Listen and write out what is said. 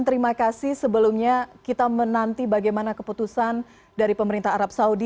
terima kasih sebelumnya kita menanti bagaimana keputusan dari pemerintah arab saudi